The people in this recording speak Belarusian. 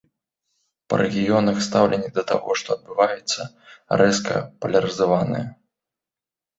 Па рэгіёнах стаўленне да таго, што адбываецца, рэзка палярызаванае.